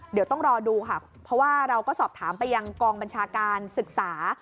เดี๋ยวต้องรอดูค่ะเพราะว่าเราก็สอบถามไปยังกองบัญชาการศึกษา